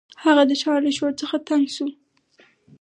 هغه د ښار له شور څخه تنګ شو.